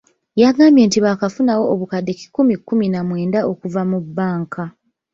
Yagambye nti baakafunawo obukadde kikumi kkumi na mwenda okuva mu banka.